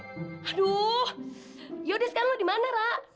aduh yodis kan lo dimana ra